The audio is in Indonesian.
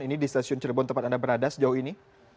ini di stasiun cirebon tempat anda berada sejauh ini